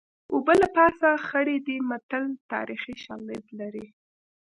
اوبه له پاسه خړې دي متل تاریخي شالید لري